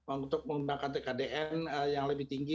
untuk mengembangkan tkdn yang lebih tinggi